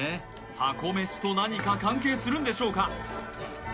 タコ飯と何か関係するんでしょうか